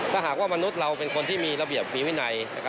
ถ้าหากว่ามนุษย์เราเป็นคนที่มีระเบียบมีวินัย